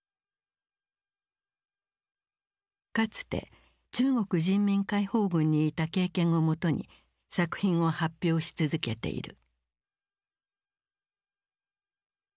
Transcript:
かつて中国人民解放軍にいた経験をもとに作品を発表し続けている。